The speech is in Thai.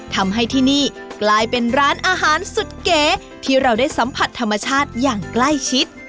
ทำให้ที่นี่กลายเป็นร้านอาหารสุดเก๋ที่เราได้สัมผัสธรรมชาติอย่างใกล้ชิด